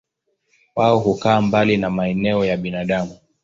Wao hukaa mbali na maeneo ya binadamu.